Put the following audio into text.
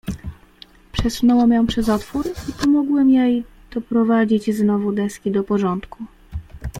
"Przesunąłem ją przez otwór, i pomogłem jej doprowadzić znowu deski do porządku."